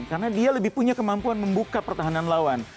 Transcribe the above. karena dia lebih punya kemampuan membuka pertahanan lawan